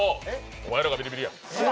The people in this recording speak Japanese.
お前らがビリビリや。